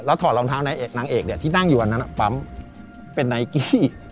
แล้วถอดลองเท้านางเอกเนี้ยที่นั่งอยู่อันนั้นอ่ะปั๊มเป็นไนกี้